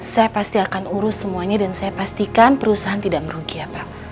saya pasti akan urus semuanya dan saya pastikan perusahaan tidak merugi apa